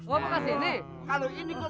kalau ini pakai bisa jadi babi orang